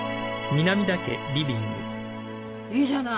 いいじゃない！